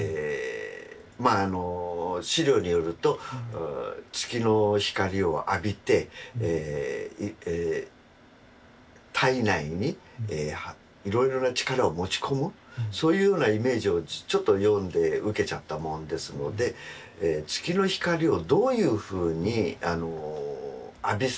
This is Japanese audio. まあ資料によると月の光を浴びて体内にいろいろな力を持ち込むそういうようなイメージをちょっと読んで受けちゃったもんですので月の光をどういうふうに浴びさせようかと。